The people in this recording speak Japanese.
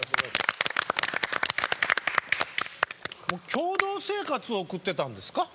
共同生活を送ってたんですか？